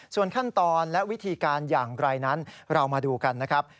ส่วนขั้นตอนและวิธีการอย่างไรนั้นเรามาดูกันนะครับ